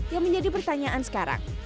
yang menjadi pertanyaan sekarang